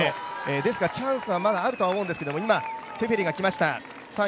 ですからチャンスはまだあると思うんですけども、テフェリが来ました。